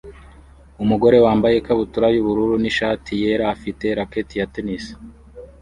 Umugore wambaye ikabutura yubururu nishati yera afite racket ya tennis